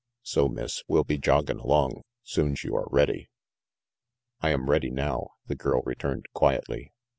So, Miss, we'll be joggin' along, soon's you are ready." "I am ready now," the girl returned quietly.